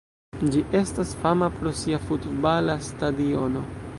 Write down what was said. Ĝi estas fama pro sia futbala stadiono.